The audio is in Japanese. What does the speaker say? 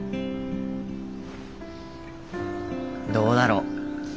どうだろう。